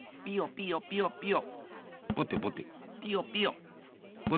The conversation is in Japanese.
ピヨピヨピヨ。